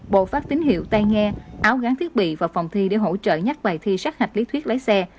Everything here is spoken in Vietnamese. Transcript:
bộ phát tín hiệu tay nghe áo gắn thiết bị vào phòng thi để hỗ trợ nhắc bài thi sát hạch lý thuyết lái xe